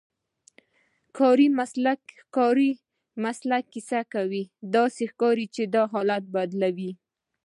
کاري مسلک کیسه کوي، داسې ښکاري چې دا حالت بدلوي.